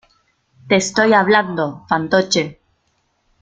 te estoy hablando, fantoche.